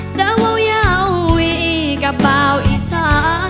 เสื้อเว้าเยาวิกระเป๋าอิสา